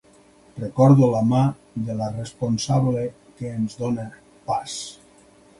Recordo la mà de la responsable que ens dóna pas.